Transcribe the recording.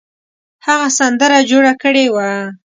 هغه سندره جوړه کړې وه.